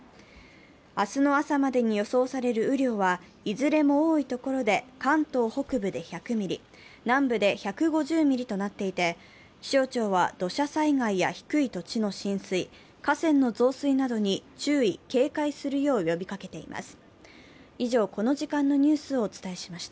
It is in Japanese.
明日の朝までに予想される雨量は、いずれも多いところで関東北部で１００ミリ、南部で１５０ミリとなっていて、気象庁は土砂災害や低い土地の浸水河川の増水などに注意・警戒するよう呼びかけています。